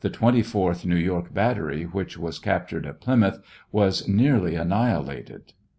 The 24th New York battery, which was captured at Plymouth, was nearly annihilated.